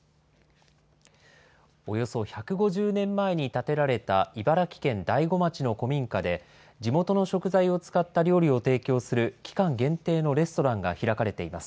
およそ１５０年前に建てられた茨城県大子町の古民家で、地元の食材を使った料理を提供する、期間限定のレストランが開かれています。